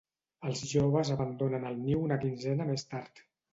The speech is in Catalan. Els joves abandonen el niu una quinzena més tard.